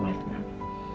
dia boleh tenang